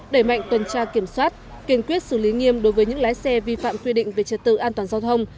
đẩy mạnh tuần tra kiểm soát kiên quyết xử lý nghiêm đối với những lái xe vi phạm quy định về trật tự an toàn giao thông